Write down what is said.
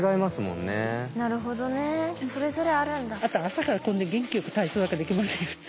朝からこんな元気よく体操なんかできませんよ普通。